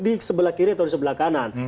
di sebelah kiri atau di sebelah kanan